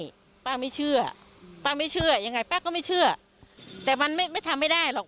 ใช่ป้าไม่เชื่อป้าไม่เชื่อยังไงป้าก็ไม่เชื่อแต่มันไม่ไม่ทำไม่ได้หรอก